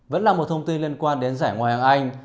vẫn là một thông tin liên quan đến giải ngoài hàng anh